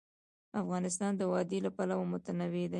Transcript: افغانستان د وادي له پلوه متنوع دی.